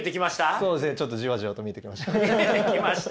そうですねちょっとジワジワと見えてきました。